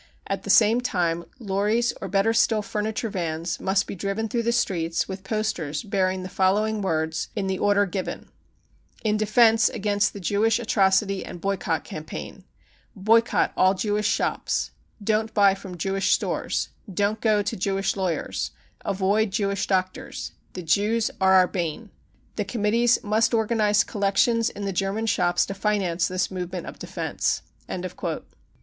At the same time lorries, or better still furniture vans, must be driven through the streets with posters bearing the following words in the order given :€ In defence against the Jewish atrocity and boycott campaign !Boycott all Jewish shops 1 '* Don't buy from Jewish stores !'* Don't go to Jewish lawyers !' e Avoid Jewish doctors !' e The Jews are our bane !'" The Committees must organise collections in the German shops to finance this movement of defence."